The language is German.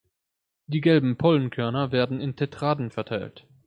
Die gelben Pollenkörner werden in Tetraden verteilt.